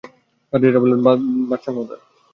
পাদ্রীরা বলল, বাদশাহ মহোদয়!